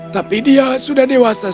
tapi dia sudah dewasa